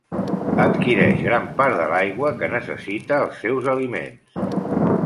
Adquireix gran part de l'aigua que necessita els seus aliments.